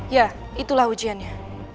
ya itulah ujiannya